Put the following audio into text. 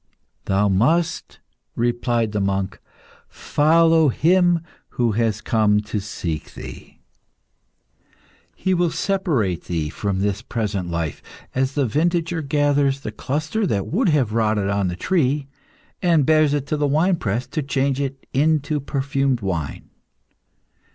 "Thou must," replied the monk, "follow Him who has come to seek thee. He will separate thee from this present life, as the vintager gathers the cluster that would have rotted on the tree, and bears it to the wine press to change it into perfumed wine.